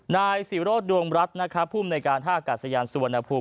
นายศิรโรธดวงรัฐผู้บนในการท่ากัดสะยานสวนภูมิ